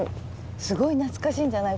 すごい懐かしいんじゃない？